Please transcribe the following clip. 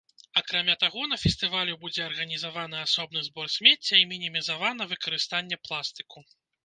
Акрамя таго, на фестывалі будзе арганізаваны асобны збор смецця і мінімізавана выкарыстанне пластыку.